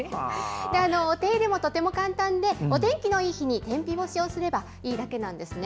お手入れもとても簡単で、お天気のいい日に天日干しをすればいいだけなんですね。